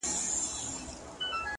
اوس بيا د ښار په ماځيگر كي جادو!!